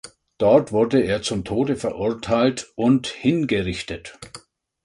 Dort wurde er zum Tode verurteilt und hingerichtet.